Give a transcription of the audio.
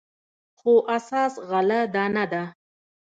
خو اساس غله دانه ده.